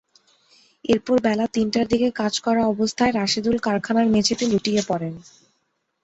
এরপর বেলা তিনটার দিকে কাজ করা অবস্থায় রাশেদুল কারখানার মেঝেতে লুটিয়ে পড়েন।